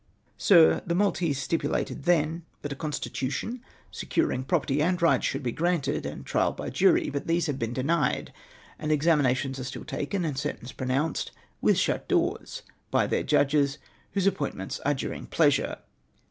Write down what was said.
Sir, The Maltese stipulated then that 208 PROCLAMATION OX MY ESCAPE. a constitutiou securiug property and rights should be granted, and trial by jury ; but these have been denied, and examina tions are still taken, and sentence pronounced, with shut doors, by their judges, whose appointments are dm'ing pleasure.